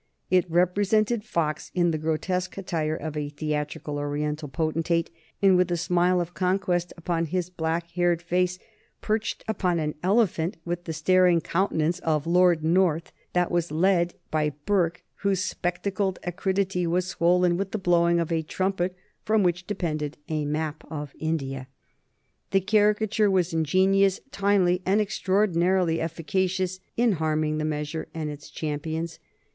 It represented Fox in the grotesque attire of a theatrical Oriental potentate, and with a smile of conquest upon his black haired face, perched upon an elephant with the staring countenance of Lord North, that was led by Burke, whose spectacled acridity was swollen with the blowing of a trumpet from which depended a map of India. The caricature was ingenious, timely, and extraordinarily efficacious in harming the measure and its champions.